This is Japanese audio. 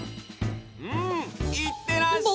うんいってらっしゃ。